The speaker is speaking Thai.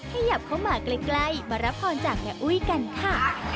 ขยับเข้ามาใกล้มารับพรจากแม่อุ้ยกันค่ะ